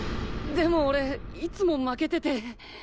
でも俺いつも負けてて。